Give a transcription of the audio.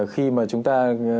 khi mà chúng ta